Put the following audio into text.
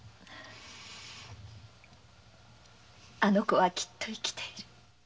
あの子はきっと生きている。